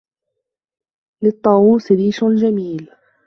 لِلْطَّاوُوسِ رِيشٌ جَمِيلٌ.